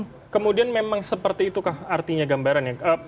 tapi kemudian memang seperti itu kah artinya gambarannya